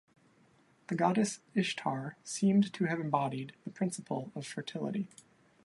The goddess Ishtar seems to have embodied the principle of fertility.